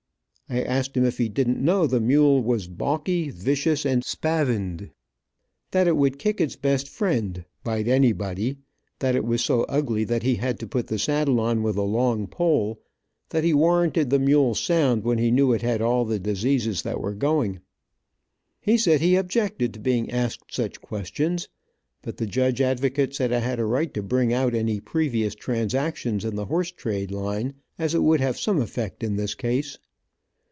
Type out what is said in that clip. I asked him if he didn't know the mule was balky, vicious, and spavined, that it would kick its best friend, bite anybody, that it was so ugly that he had to put the saddle on with a long pole, that he warranted the mule sound when he knew it had all the diseases that were going. He said he objected to being asked such questions, but the judge advocate said I had a right to bring out any previous transactions in the horse trade line, as it would have some effect in this case.